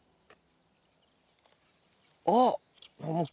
あっ！